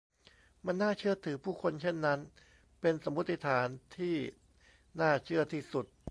มันน่าเชื่อถือผู้คนเช่นนั้น เป็นสมมติฐานที่น่าเชื่อที่สุด